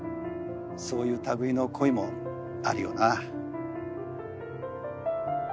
そういう類いの恋もあるよな。